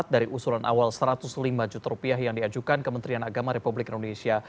dari usulan awal satu ratus lima juta rupiah yang diajukan kementerian agama republik indonesia